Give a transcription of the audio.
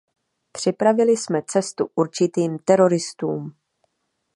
Připravili jsme cestu určitým teroristům!